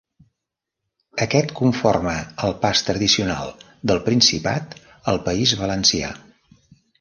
Aquest conforma el pas tradicional del Principat al País Valencià.